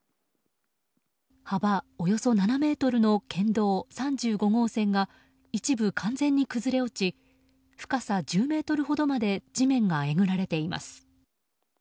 幅およそ７ｍの県道３５号線が一部、完全に崩れ落ち深さ１０ｍほどまで地面がえぐられています。